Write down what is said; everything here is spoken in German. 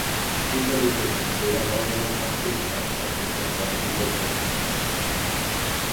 Sicherlich ist es weder notwendig noch hilfreich, das Gesetz auf diese Gruppen anzuwenden.